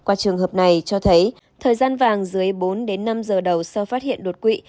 qua trường hợp này cho thấy thời gian vàng dưới bốn năm giờ đầu sau phát hiện đột quỵ